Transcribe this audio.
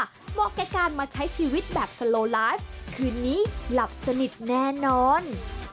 เหมาะแก่การมาใช้ชีวิตแบบสโลไลฟ์คืนนี้หลับสนิทแน่นอน